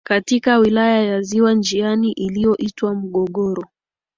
katika Wilaya ya Ziwa Njiani inayoitwa Mgogoro